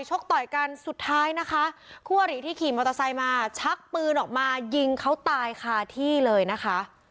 กต่อยกันสุดท้ายนะคะคู่อริที่ขี่มอเตอร์ไซค์มาชักปืนออกมายิงเขาตายคาที่เลยนะคะ